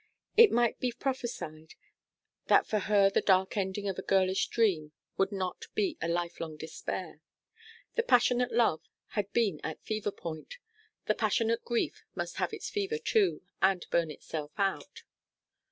It might be prophesied that for her the dark ending of a girlish dream would not be a life long despair. The passionate love had been at fever point; the passionate grief must have its fever too, and burn itself out.